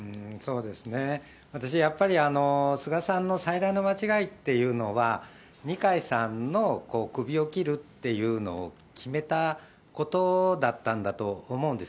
私やっぱり、菅さんの最大の間違いというのは、二階さんのクビを切るっていうのを決めたことだったんだと思うんです。